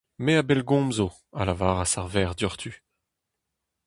Me a bellgomzo, a lavaras ar verc'h diouzhtu.